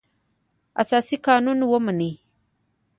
اساسي قانون ومني.